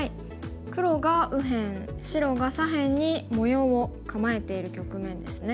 黒が右辺白が左辺に模様を構えている局面ですね。